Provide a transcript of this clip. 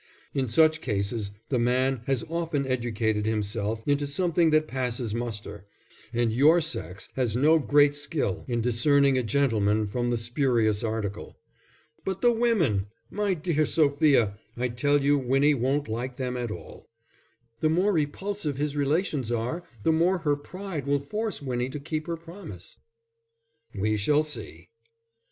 In such cases the man has often educated himself into something that passes muster, and your sex has no great skill in discerning a gentleman from the spurious article. But the women! My dear Sophia, I tell you Winnie won't like them at all." "The more repulsive his relations are, the more her pride will force Winnie to keep her promise." "We shall see."